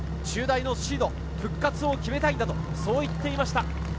中大のシード復活を決めたいんだと、そう言っていました。